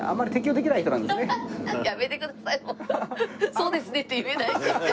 「そうですね」って言えないし。